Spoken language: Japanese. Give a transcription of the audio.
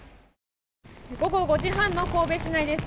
午後５時半の神戸市内です。